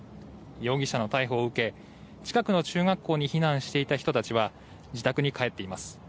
容疑者の逮捕を受け近くの中学校に避難していた人たちは自宅に帰っています。